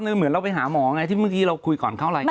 เหมือนเราไปหาหมอไงที่เมื่อกี้เราคุยก่อนเข้ารายการ